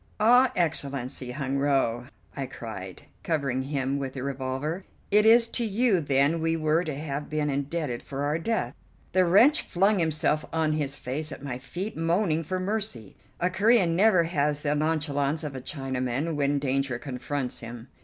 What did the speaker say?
"Ah, Excellency Hun Woe!" I cried, covering him with the revolver, "it is to you then we were to have been indebted for our death." The wretch flung himself on his face at my feet, moaning for mercy. A Corean never has the nonchalance of a Chinaman when danger confronts him.